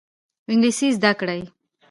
انګلیسي زده کړئ